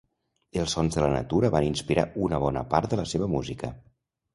Els sons de la natura van inspirar una bona part de la seva música.